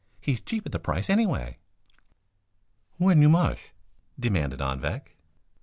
"He's cheap at the price, anyway." "When you mush?" demanded Anvik.